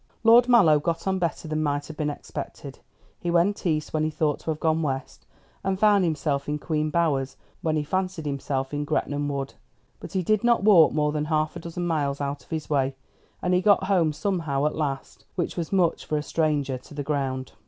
Lord Mallow got on better than might have been expected. He went east when he ought to have gone west, and found himself in Queen's Bower when he fancied himself in Gretnam Wood; but he did not walk more than half a dozen miles out of his way, and he got home somehow at last, which was much for a stranger to the ground.